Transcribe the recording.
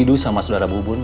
ridu sama saudara bubun